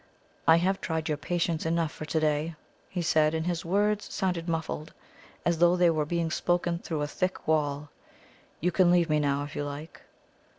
"I have tried your patience enough for to day," he said, and his words sounded muffled, as though they were being spoken through, a thick wall. "You can leave me now if you like."